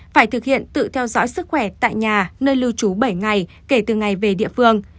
phải thực hiện tự theo dõi sức khỏe tại nhà nơi lưu trú bảy ngày kể từ ngày về địa phương